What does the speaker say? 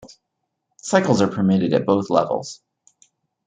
Cycles are permitted at both levels.